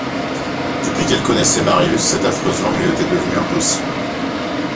Depuis qu'elle connaissait Marius, cette affreuse langue lui était devenue impossible.